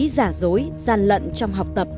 giả dối gian lận trong học tập